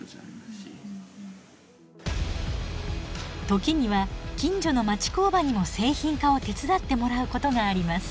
時には近所の町工場にも製品化を手伝ってもらうことがあります。